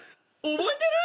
覚えてる？